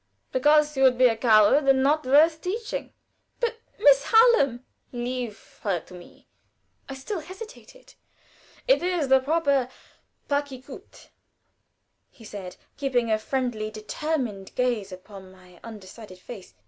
"Because you would be a coward, and not worth teaching." "But Miss Hallam?" "Leave her to me." I still hesitated. "It is the premier pas qui coûte," said he, keeping a friendly but determined gaze upon my undecided face.